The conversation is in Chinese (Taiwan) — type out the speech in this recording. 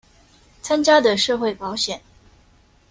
參加的社會保險